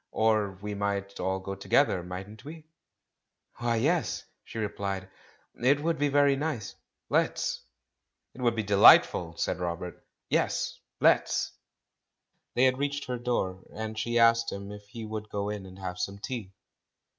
Or we might all go together, mightn't we ?" "Why, yes," she replied, "it would be very nice. Let's!" "It would be delightful I" said Robert "Yes, let's 1" They had reached her door, and she asked him if he would go in and have some tea.